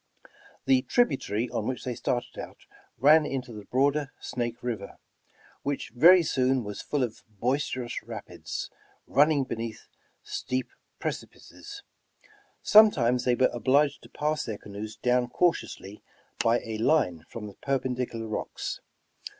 The tributary on which 184 Over the Rockies they started out ran into the broader Snake River, which very soon was full of boisterous rapids, running beneath steep precipices. Sometimes they were obliged to pass their canoes down cautiouslj^ by a line from the perpendicular rocks.